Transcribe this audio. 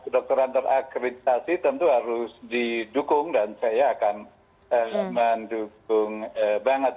kedokteran terakreditasi tentu harus didukung dan saya akan mendukung banget